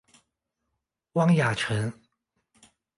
汪亚尘。